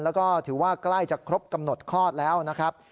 แล้วก็ถือว่าใกล้จะครบกำหนดคลอดแล้วนะครับ